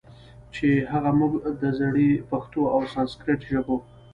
چې هغه موږ د زړې پښتو او سانسکریت ژبو